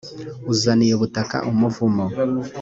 uzaniye ubutaka umuvumo